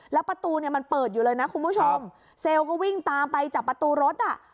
แล้วประตูเนี่ยมันเปิดอยู่เลยนะคุณผู้ชมเซลล์ก็วิ่งตามไปจับประตูรถอ่ะ